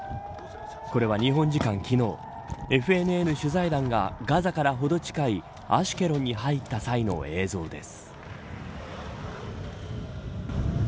これは日本時間昨日ＦＮＮ取材団がガザからほど近いアシュケロンに入った際の映像です。